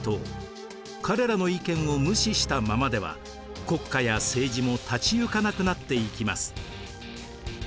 彼らの意見を無視したままでは国家や政治も立ち行かなくなっていきます。